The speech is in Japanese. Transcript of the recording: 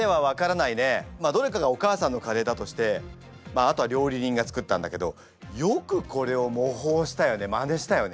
どれかがお母さんのカレーだとしてあとは料理人が作ったんだけどよくこれを模倣したよねまねしたよね。